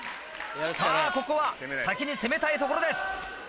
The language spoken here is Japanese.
さぁここは先に攻めたいところです。